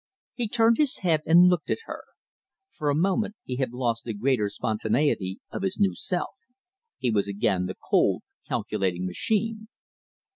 He turned his head and looked at her. For a moment he had lost the greater spontaneity of his new self. He was again the cold, calculating machine.